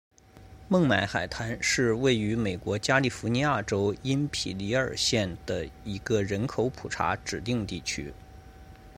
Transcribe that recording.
孟买海滩是位于美国加利福尼亚州因皮里尔县的一个人口普查指定地区。